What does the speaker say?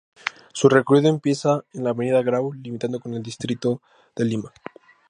Su recorrido empieza en la Avenida Grau, limitando con el distrito de Lima.